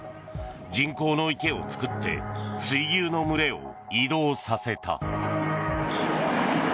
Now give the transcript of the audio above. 人工の池を作って水牛の群れを移動させた。